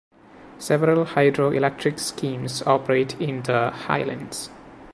Several hydro-electric schemes operate in the Highlands.